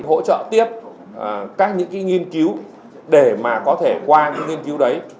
hỗ trợ tiếp các những nghiên cứu để mà có thể qua những nghiên cứu đấy